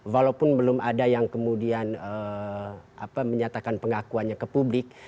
walaupun belum ada yang kemudian menyatakan pengakuannya ke publik